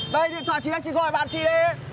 đây điện thoại chị đây chị gọi bạn chị